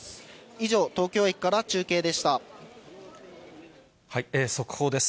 以上、速報です。